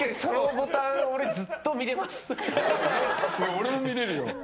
俺も見れるよ。